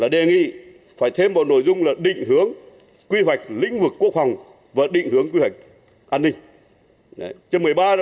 đề nghị phải thêm vào nội dung là định hướng quy hoạch lĩnh vực quốc phòng và định hướng quy hoạch an ninh